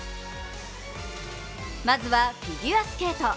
まずはフィギュアスケート。